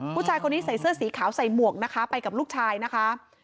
ผู้ชายคนนี้ใส่เสื้อสีขาวใส่หมวกนะคะไปกับลูกชายนะคะ